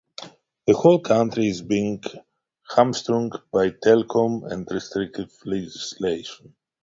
The whole country is being hamstrung by Telkom and restrictive legislation.